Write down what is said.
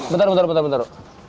bentar bentar bentar